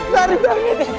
sorry banget ya